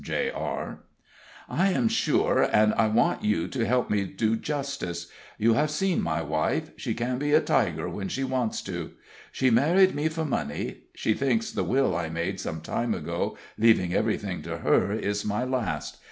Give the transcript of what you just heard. J.R.), I am sure, and I want you to help me do justice. You have seen my wife; she can be a tiger when she wants to. She married me for money; she thinks the will I made some time ago, leaving everything to her, is my last.